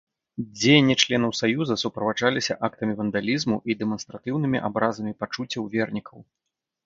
Дзеянні членаў саюза суправаджаліся актамі вандалізму і дэманстратыўнымі абразамі пачуццяў вернікаў.